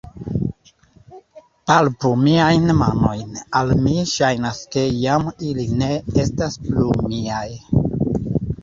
Palpu miajn manojn; al mi ŝajnas, ke jam ili ne estas plu miaj.